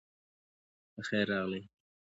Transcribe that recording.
پخير راغلې